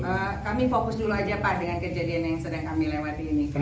oke kami fokus dulu aja pak dengan kejadian yang sedang kami lewati ini